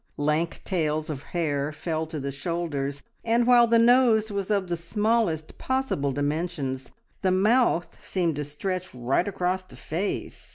Lank tails of hair fell to the shoulders, and while the nose was of the smallest possible dimensions, the mouth seemed to stretch right across the face.